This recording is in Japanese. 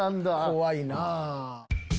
怖いなぁ。